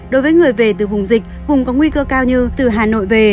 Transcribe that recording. đối với người về từ vùng dịch vùng có nguy cơ cao như từ hà nội về